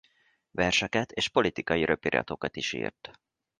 Verseket és politikai röpiratokat is írt.